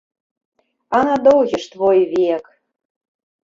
А на доўгі ж твой век!